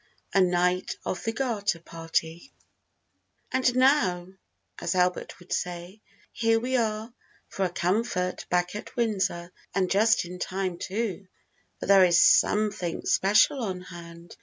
A KNIGHT OF THE GARTER PARTY. [Illustration: 0097] And now," as Albert would say, here we are, for a comfort, back at Windsor, and just in time, too, for there is something special on hand.